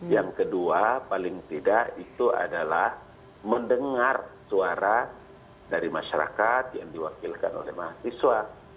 yang kedua paling tidak itu adalah mendengar suara dari masyarakat yang diwakilkan oleh mahasiswa